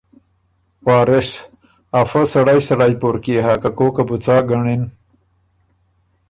وارث: افۀ سړئ سړئ پورکيې هۀ که کوکه بُو څا ګنړِن۔